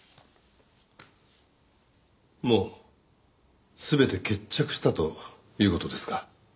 もう全て決着したという事ですか？